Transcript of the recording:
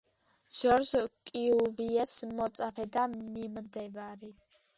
ჟორჟ კიუვიეს მოწაფე და მიმდევარი.